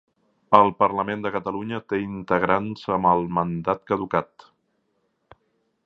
El Parlament de Catalunya té integrants amb el mandat caducat